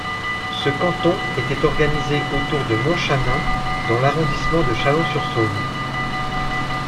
Ce canton était organisé autour de Montchanin dans l'arrondissement de Chalon-sur-Saône.